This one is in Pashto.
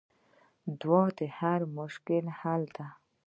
دعا د هر مشکل حل دی.